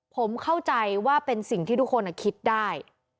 ผมเข้าใจว่าเป็นสิ่งที่ทุกคนคิดได้